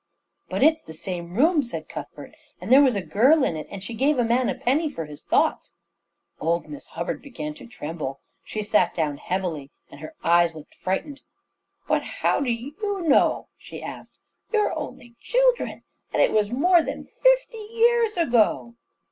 "But it's the same room," said Cuthbert, "and there was a girl in it, and she gave a man a penny for his thoughts." Old Miss Hubbard began to tremble. She sat down heavily, and her eyes looked frightened. "But how do you know?" she asked. "You're only children; and that was more than fifty years ago."